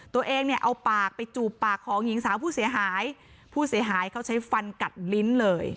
ตัวเองเนี่ยเอาปากไปจูบปากของหญิงสาวผู้เสียหายผู้เสียหายเขาใช้ฟันกัดลิ้นเลย